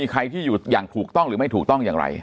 ใครที่อยู่อย่างถูกต้องหรือไม่ถูกต้องอย่างไร